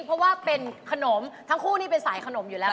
เพราะว่าเป็นขนมทั้งคู่นี่เป็นสายขนมอยู่แล้ว